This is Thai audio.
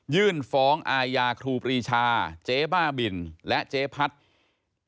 ยื่นฟ้องอาญาครูปรีชาเจ๊บ้าบินและเจ๊พัด